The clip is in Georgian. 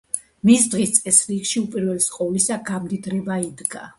მის დღის წესრიგში უპირველეს ყოვლისა გამდიდრება იდგა.